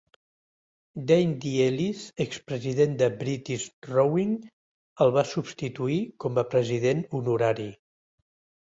Dame Di Ellis, expresident de British Rowing, el va substituir com a president honorari.